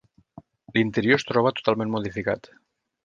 L'interior es troba totalment modificat.